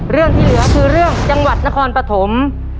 เรื่องที่เหลือคือเรื่องจังหวัดนครปฐม